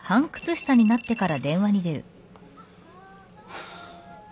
ハァ。